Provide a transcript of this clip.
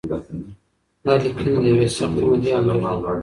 دا لیکنې د یوې سختې مودې انځور دی.